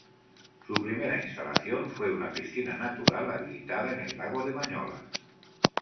Su primera instalación fue una piscina natural, habilitada en el Lago de Bañolas.